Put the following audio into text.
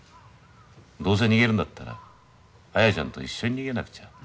どうせ逃げるんだったら綾ちゃんと一緒に逃げなくちゃ。